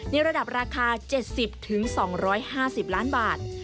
ระดับราคา๗๐๒๕๐ล้านบาท